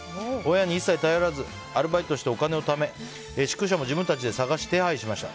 親に一切頼らずアルバイトしてお金を貯め宿舎も自分たちで探し手配しました。